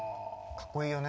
かっこいいよね。